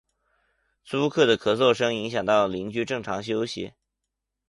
租客的咳嗽声影响到邻居正常休息